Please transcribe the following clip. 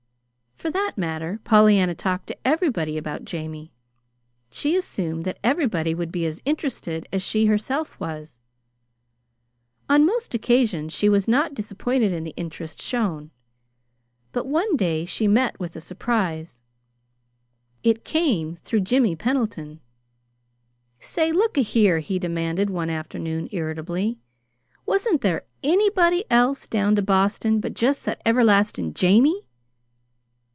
For that matter, Pollyanna talked to everybody about Jamie. She assumed that everybody would be as interested as she herself was. On most occasions she was not disappointed in the interest shown; but one day she met with a surprise. It came through Jimmy Pendleton. "Say, look a here," he demanded one afternoon, irritably. "Wasn't there ANYBODY else down to Boston but just that everlasting 'Jamie'?"